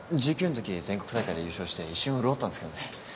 １９んとき全国大会で優勝して一瞬潤ったんですけどね。